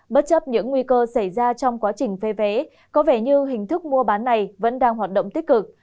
bất chấp những nguy cơ xảy ra trong quá trình phê vé có vẻ như hình thức mua bán này vẫn đang hoạt động tích cực